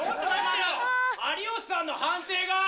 有吉さんの判定が。